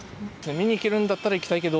見に行けるんだったら行きたいけど